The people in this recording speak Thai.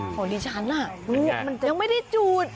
โอ้โฮดิฉันล่ะลูกมันจะยังไม่ได้จูด